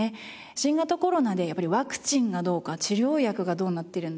新型コロナでやっぱりワクチンがどうか治療薬がどうなってるんだ